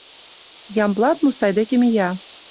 Ямблат Мустай деке мия: